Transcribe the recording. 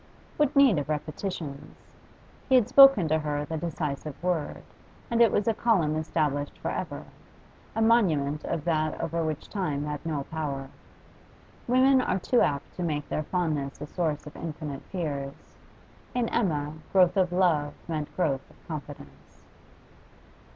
What need of repetitions? He had spoken to her the decisive word, and it was a column established for ever, a monument of that over which time had no power. Women are too apt to make their fondness a source of infinite fears; in Emma growth of love meant growth of confidence.